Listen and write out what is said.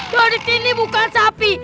daudit ini bukan sapi